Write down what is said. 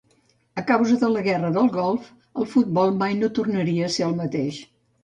A causa de la guerra del Golf, el futbol mai no tornaria a ser el mateix.